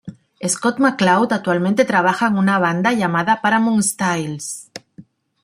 Scott McCloud actualmente trabaja en una banda llamada Paramount Styles.